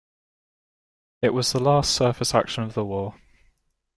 It was the last surface action of the war.